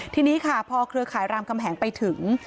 ทีนี้ค่ะพอเครือข่ายรามคำแหงไปถึง